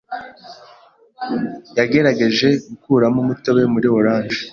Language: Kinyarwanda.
Yagerageje gukuramo umutobe muri orange.